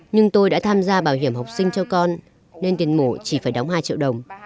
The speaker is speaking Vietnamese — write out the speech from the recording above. nhưng tôi đã tham gia bảo hiểm học sinh cho con nên tiền mổ chỉ phải đóng hai triệu đồng